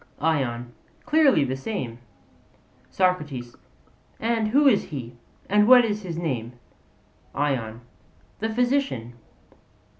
ION: Clearly the same. SOCRATES: And who is he, and what is his name? ION: The physician.